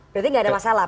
berarti gak ada masalah